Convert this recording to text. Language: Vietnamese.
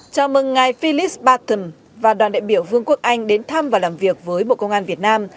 chào mừng ngài philip barton và đoàn đại biểu vương quốc anh đến thăm và làm việc với bộ công an việt nam